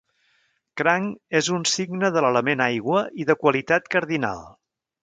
Cranc és un signe de l'element aigua i de qualitat cardinal.